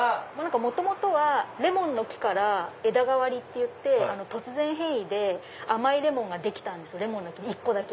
元々はレモンの木から枝変わりっていって突然変異で甘いレモンができたんです一個だけ。